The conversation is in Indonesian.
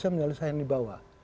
bisa menyelesaikan di bawah